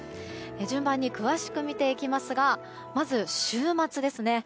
順番に詳しく見ていきますがまず、週末ですね。